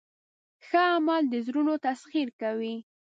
ښه عمل د زړونو تسخیر کوي.